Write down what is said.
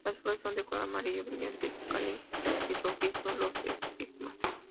Las flores son de color amarillo brillante su cáliz y rojizo los estigmas.